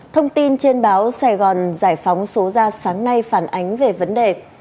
thông tin trên báo sài gòn giải phóng số ra sáng nay phản ánh về vấn đề